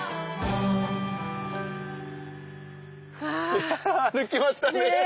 いや歩きましたね。